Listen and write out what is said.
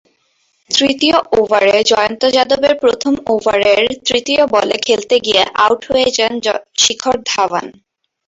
তৃতীয় ওভারে জয়ন্ত যাদব এর প্রথম ওভারের তৃতীয় বলে খেলতে গিয়ে আউট হয়ে যান শিখর ধাওয়ান।